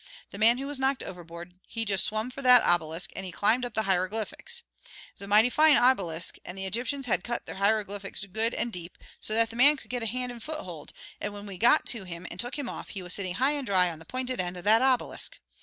The man who was knocked overboard he just swum for that obelisk and he climbed up the hiryglyphics. It was a mighty fine obelisk, and the Egyptians had cut their hiryglyphics good and deep, so that the man could get hand and foot hold; and when we got to him and took him off, he was sitting high and dry on the p'inted end of that obelisk.